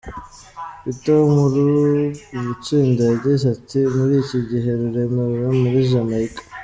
Peetah wo muri iri tsinda yagize ati "Muri iki gihe ruremewe muri Jamaica.